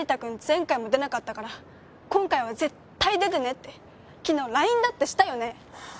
前回も出なかったから今回は絶対出てねって昨日ＬＩＮＥだってしたよね